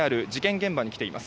現場に来ています。